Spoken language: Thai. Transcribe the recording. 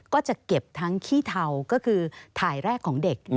ก็จะเก็บทั้งขี้เทาก็คือถ่ายแรกของเด็ก